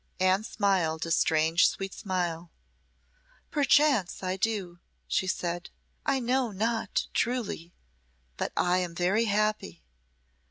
Anne smiled a strange, sweet smile. "Perchance I do," she said. "I know not truly, but I am very happy.